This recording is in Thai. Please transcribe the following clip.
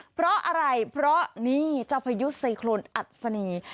เพราะอะไรเพราะนี่เจ้าพายุไซโครนอัศนี